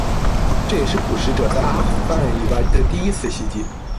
这也是“捕食者”在阿富汗以外的第一次袭击。